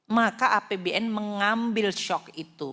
maka apbn mengambil shock itu